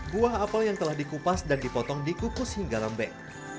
buah apel yang telah dikupas dan dipotong dikukus hingga lembek